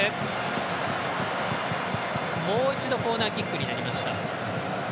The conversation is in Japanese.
もう一度コーナーキックになりました。